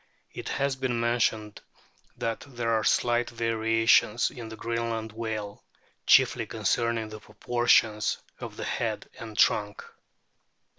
It has been mentioned that there are slight varia tions in the Greenland whale, chiefly concerning the proportions of the head and trunk.